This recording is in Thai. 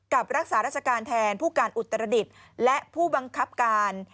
รักษาราชการแทนผู้การอุตรดิษฐ์และผู้บังคับการ